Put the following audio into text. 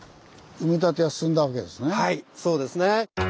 はいそうですね。